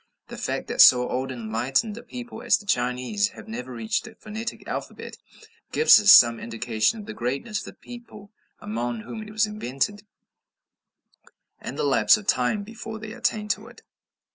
The fact that so old and enlightened a people as the Chinese have never reached a phonetic alphabet, gives us some indication of the greatness of the people among whom it was invented, and the lapse of time before they attained to it.